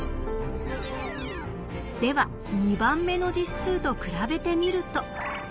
では２番目の実数と比べてみると。